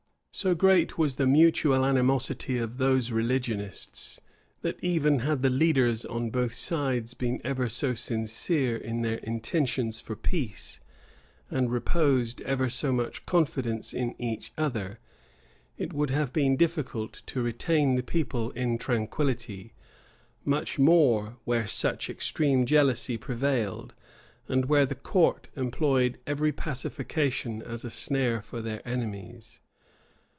So great was the mutual animosity of those religionists, that even had the leaders on both sides been ever so sincere in their intentions for peace, and reposed ever so much confidence in each other, it would have been difficult to retain the people in tranquillity; much more where such extreme jealousy prevailed, and where the court employed every pacification as a snare for their enemies.